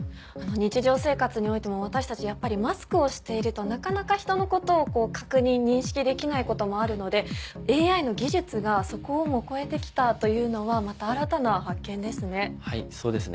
日常生活においても私たちやっぱりマスクをしているとなかなか人のことを確認認識できないこともあるのでＡＩの技術がそこをも超えて来たというのはまた新たな発見ですね。